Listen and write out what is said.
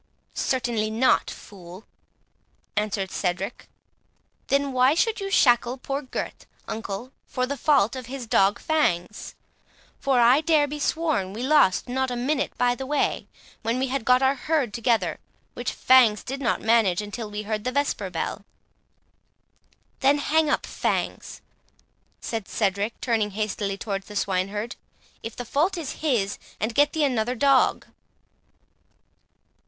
"Certainly not, fool," answered Cedric. "Then why should you shackle poor Gurth, uncle, for the fault of his dog Fangs? for I dare be sworn we lost not a minute by the way, when we had got our herd together, which Fangs did not manage until we heard the vesper bell." "Then hang up Fangs," said Cedric, turning hastily towards the swineherd, "if the fault is his, and get thee another dog."